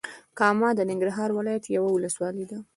کامه د ننګرهار ولايت یوه ولسوالې ده.